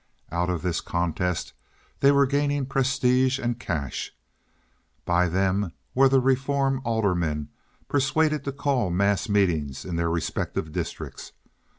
Out of this contest they were gaining prestige and cash. By them were the reform aldermen persuaded to call mass meetings in their respective districts.